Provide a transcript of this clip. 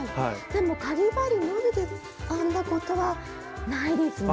でもかぎ針のみで編んだことはないですね。